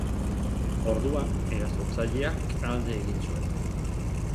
Orduan, erasotzaileak alde egin zuen.